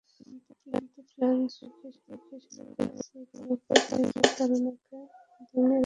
কিন্তু ফ্রিল্যান্স সাংবাদিক হিসেবে শিখেছি, কোনোভাবেই নিজের তাড়নাকে দমিয়ে রাখা যাবে না।